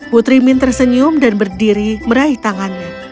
putri min tersenyum dan berdiri meraih tangannya